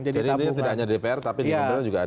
jadi ini tidak hanya dpr tapi di nomor juga ada